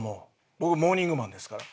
僕モーニングマンですから。